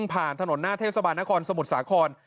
ผ่านถนนหน้าเทศบาลนครสมุทรสาคร